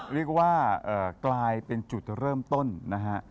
เรียกว่ากลายเป็นจุดเริ่มต้นนะฮะ